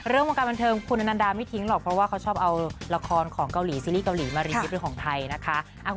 วงการบันเทิงคุณอนันดาไม่ทิ้งหรอกเพราะว่าเขาชอบเอาละครของเกาหลีซีรีส์เกาหลีมารียิปต์เป็นของไทยนะคะ